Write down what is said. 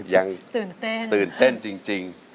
ยังตื่นเต้นตื่นเต้นจริง